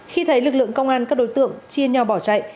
khi thấy lực lượng công an các đối tượng chia nhau bỏ chạy